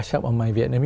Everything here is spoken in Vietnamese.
khi tôi đến hà nội